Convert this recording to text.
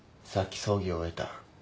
さっき葬儀を終えた。